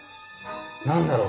何だろう？